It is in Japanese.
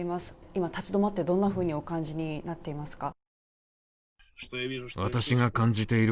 今立ち止まってどんなふうにお感じになっていますか。